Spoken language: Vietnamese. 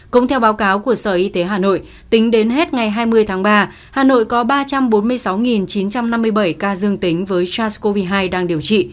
cũng theo báo cáo của sở y tế hà nội tính đến hết ngày hai mươi tháng ba hà nội có ba trăm bốn mươi sáu chín trăm năm mươi bảy ca dương tính với sars cov hai đang điều trị